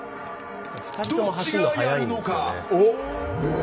どっちがやるのか？